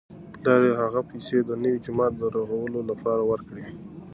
پلار یې هغه پیسې د نوي جومات د رغولو لپاره ورکړې.